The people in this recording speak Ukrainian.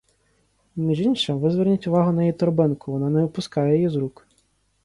Між іншим, ви зверніть увагу на її торбинку, вона не випускає її з рук.